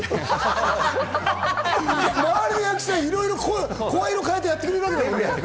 周りの役者、声色変えてやってくれるわけだよね。